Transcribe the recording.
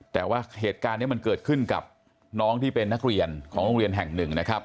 แต่ว่าเหตุการณ์นี้มันเกิดขึ้นกับน้องที่เป็นนักเรียนของโรงเรียนแห่งหนึ่งนะครับ